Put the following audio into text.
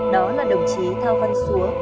đó là đồng chí thao văn xúa